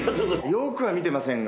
よーくは見てませんが。